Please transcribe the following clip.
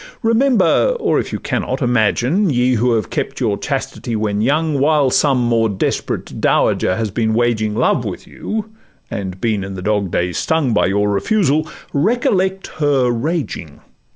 Remember, or (if you can not) imagine, Ye, who have kept your chastity when young, While some more desperate dowager has been waging Love with you, and been in the dog days stung By your refusal, recollect her raging!